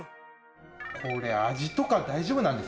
これ味とか大丈夫なんですかね？